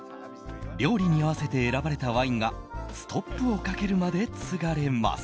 料理に合わせて選ばれたワインがストップをかけるまでつがれます。